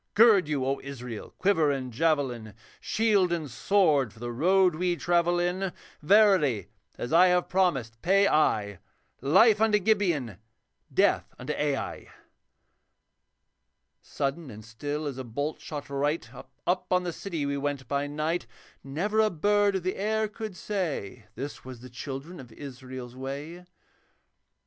Gird you, O Israel, quiver and javelin, Shield and sword for the road we travel in; Verily, as I have promised, pay I Life unto Gibeon, death unto Ai.' Sudden and still as a bolt shot right Up on the city we went by night. Never a bird of the air could say, 'This was the children of Israel's way.'